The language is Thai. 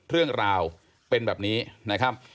เรื่องราวเป็นแบบนี้